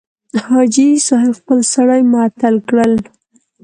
حاجي صاحب خپل سړي معطل کړل.